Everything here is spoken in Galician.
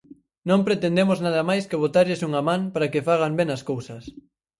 Non pretendemos nada máis que botarlles unha man para que fagan ben as cousas.